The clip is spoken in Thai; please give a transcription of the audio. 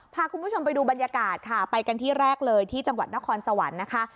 พาคุณผู้ชมไปดูบรรยากาศค่ะไปกันที่แรกเลยที่จังหวัดนครสวรรค์นะคะ